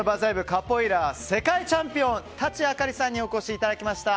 カポエイラ世界チャンピオン舘あかりさんにお越しいただきました。